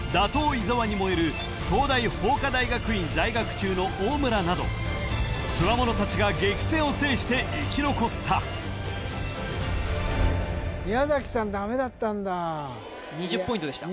伊沢に燃える東大法科大学院在学中の大村などつわもの達が激戦を制して生き残った２０ポイント